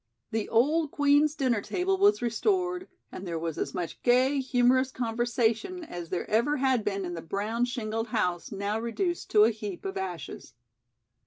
The old Queen's dinner table was restored and there was as much gay, humorous conversation as there ever had been in the brown shingled house now reduced to a heap of ashes.